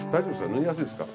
縫いやすいっすか？